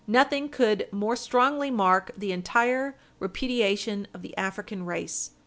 Nothing could more strongly mark the entire repudiation of the African race.